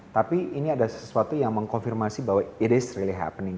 tapi ini ada sesuatu yang mengkonfirmasi bahwa it is really happening